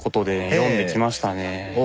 読んでましたね。